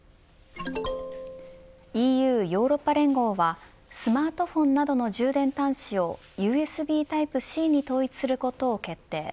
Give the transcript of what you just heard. ＥＵヨーロッパ連合はスマートフォンなどの充電端子をＵＳＢタイプＣに統一することを決定。